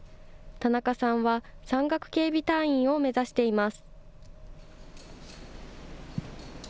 田中さんは山岳警備隊員を目指しています。